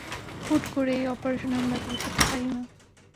হুট করে এই অপারেশন আমি বাতিল করতে পারি না।